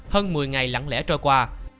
hơn một mươi ngày lặng lẽ trôi qua